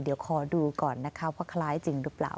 เดี๋ยวขอดูก่อนนะคะว่าคล้ายจริงหรือเปล่า